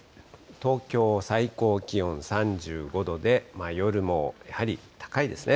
東京、最高気温３５度で、夜もやはり高いですね。